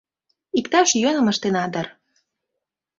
Иктаж йӧным ыштена дыр...